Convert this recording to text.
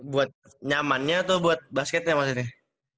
buat nyamannya atau buat basketnya mas ditih